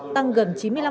tăng gần chín mươi năm